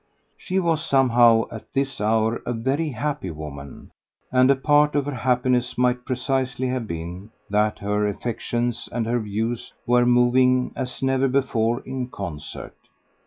She was somehow at this hour a very happy woman, and a part of her happiness might precisely have been that her affections and her views were moving as never before in concert.